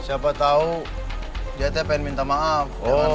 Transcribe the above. siapa tahu dia pengen minta maaf